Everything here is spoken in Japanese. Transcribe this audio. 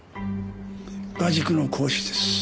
画塾の講師です。